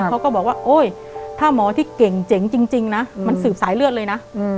เขาก็บอกว่าโอ๊ยถ้าหมอที่เก่งเจ๋งจริงนะมันสืบสายเลือดเลยนะ